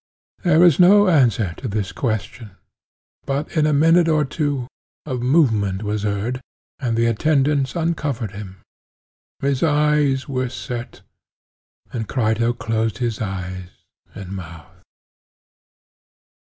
There was no answer to this question; but in a minute or two a movement was heard, and the attendants uncovered him; his eyes were set, and Crito closed his eyes and mouth.